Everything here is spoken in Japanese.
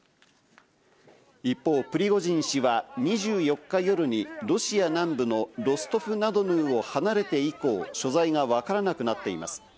一方、プリゴジン氏は２４日夜にロシア南部のロストフナドヌーを離れて以降、所在がわからなくなっています。